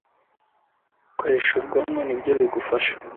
koresha ubwonko nibyo bigufasha